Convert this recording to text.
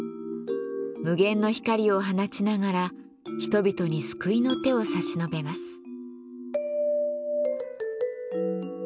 無限の光を放ちながら人々に救いの手を差し伸べます。